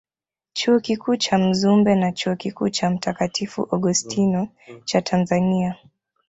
Chuo Kikuu cha Mzumbe na Chuo Kikuu cha Mtakatifu Augustino cha Tanzania